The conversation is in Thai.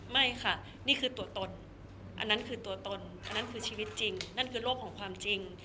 ไม่ค่ะนี่คือตัวตนอันนั้นคือตัวตนอันนั้นคือชีวิตจริงนั่นคือโลกของความจริง